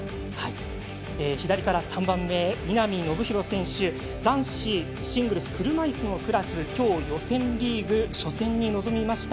左から３番目、皆見信博選手男子シングルス車いすのクラスきょう予選リーグ初戦に臨みました。